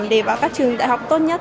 để bảo các trường đại học tốt nghiệp